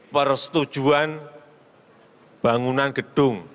persetujuan bangunan gedung